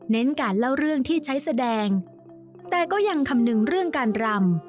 การเล่าเรื่องที่ใช้แสดงแต่ก็ยังคำนึงเรื่องการรำ